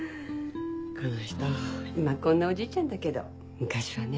この人今こんなおじいちゃんだけど昔はね